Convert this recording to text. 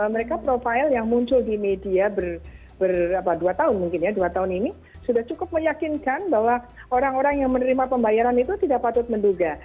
mereka profil yang muncul di media berapa dua tahun mungkin ya dua tahun ini sudah cukup meyakinkan bahwa orang orang yang menerima pembayaran itu tidak patut menduga